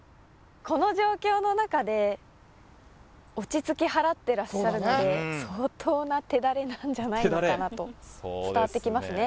この状況の中で落ち着き払ってらっしゃるので相当な手練れなんじゃないのかなと伝わってきますね